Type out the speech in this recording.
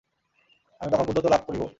আমি তখন বুদ্ধত্ব লাভ করিব।